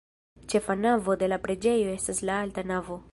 Ĉefa navo de la preĝejo estas la alta navo.